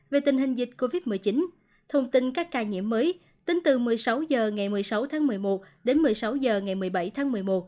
về tình hình dịch covid một mươi chín thông tin các ca nhiễm mới tính từ một mươi sáu h ngày một mươi sáu tháng một mươi một đến một mươi sáu h ngày một mươi bảy tháng một mươi một